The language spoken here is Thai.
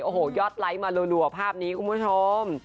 โอ้โหยอดไลค์มารัวภาพนี้คุณผู้ชม